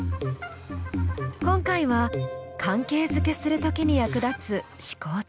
今回は「関係づけするとき」に役立つ思考ツール。